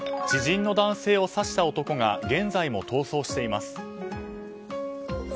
知人の男性を刺した男が現在も逃走しています。